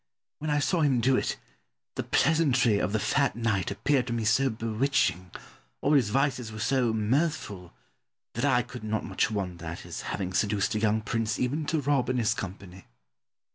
When I saw him do it the pleasantry of the fat knight appeared to me so bewitching, all his vices were so mirthful, that I could not much wonder at his having seduced a young prince even to rob in his company.